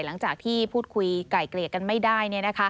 หลังจากที่พูดคุยไก่เกลี่ยกันไม่ได้